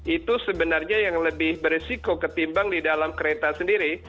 itu sebenarnya yang lebih beresiko ketimbang di dalam kereta sendiri